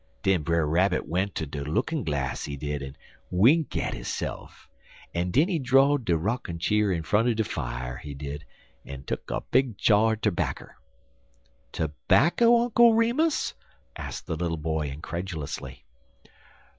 Den Brer Rabbit went ter de lookin' glass, he did, en wink at hisse'f, en den he draw'd de rockin' cheer in front er de fier, he did, en tuck a big chaw terbacker." "Tobacco, Uncle Remus?" asked the little boy, incredulously.